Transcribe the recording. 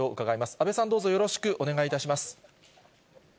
安倍さん、どうぞよろしくお願いいたします。